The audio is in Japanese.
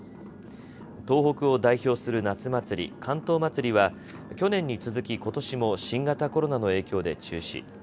東北を代表する夏祭り、竿燈まつりは去年に続きことしも新型コロナの影響で中止。